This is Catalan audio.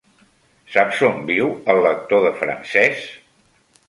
Saps on viu el lector de francès?